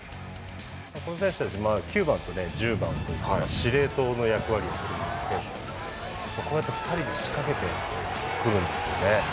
この選手たち９番とね１０番という司令塔の役割をする選手なんですけどもこうやって２人で仕掛けてくるんですよね。